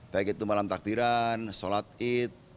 baik itu malam takbiran sholat id